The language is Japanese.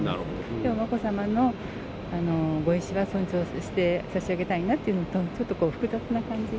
でも眞子さまのご意思は尊重して差し上げたいなっていうのと、ちょっと複雑な感じ。